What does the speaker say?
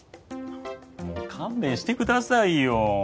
もう勘弁してくださいよ。